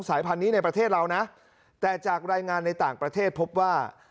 สายพันธุ์นี้ในประเทศเรานะแต่จากรายงานในต่างประเทศพบว่า